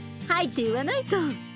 「はい」って言わないと。